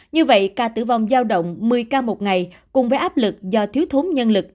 như vậy ca tử vong giao động một mươi ca một ngày cùng với áp lực do thiếu thốn nhân lực